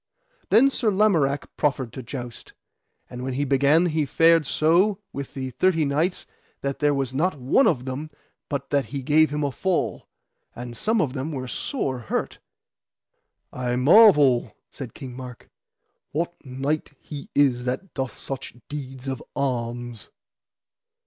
Then Sir Lamorak proffered to joust. And when he began he fared so with the thirty knights that there was not one of them but that he gave him a fall, and some of them were sore hurt. I marvel, said King Mark, what knight he is that doth such deeds of arms.